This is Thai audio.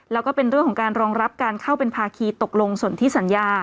แล้วก็เป็นเรื่องของการรองรับการเข้าเป็นภาคีตกลงสนที่สัญญา